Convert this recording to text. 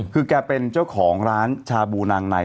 คือแกเป็นเจ้าของร้านชาบูนางใน